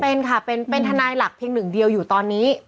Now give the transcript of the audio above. เป็นค่ะเป็นทนายหลักเพียงหนึ่งเดียวอยู่ตอนนี้